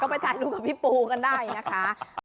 ไปถ่ายรูปกับพี่ปูกันได้นะคะ